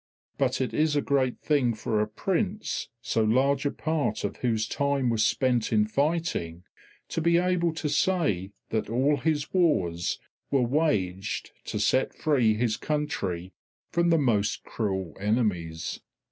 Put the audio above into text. But it is a great thing for a prince so large a part of whose time was spent in fighting to be able to say that all his wars were waged to set free his country from the most cruel enemies.